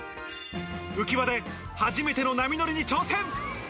浮き輪で初めての波乗りに挑戦。